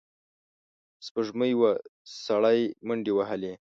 سپوږمۍ وه، سړی منډې وهلې.